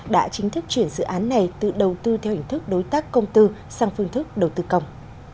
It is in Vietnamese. đã chính thức chuyển dự án này từ đầu tư theo hình thức đối tác công tư sang phương thức đầu tư công